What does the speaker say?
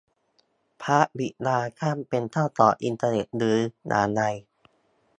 พระบิดาท่านเป็นเจ้าของอินเทอร์เน็ตหรืออย่างไร ?